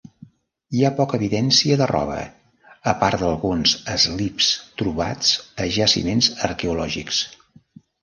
Hi ha poca evidència de roba a part d'alguns eslips trobats a jaciments arqueològics.